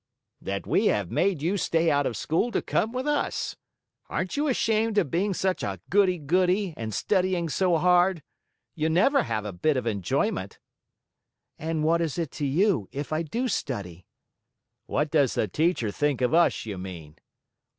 "That we have made you stay out of school to come with us. Aren't you ashamed of being such a goody goody, and of studying so hard? You never have a bit of enjoyment." "And what is it to you, if I do study?" "What does the teacher think of us, you mean?"